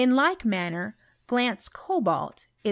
likemanner.glance cobalt is